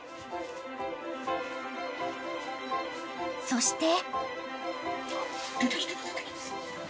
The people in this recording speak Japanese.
［そして］